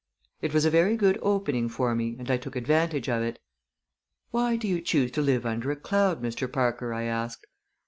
It was a very good opening for me and I took advantage of it. "Why do you choose to live under a cloud, Mr. Parker?" I asked.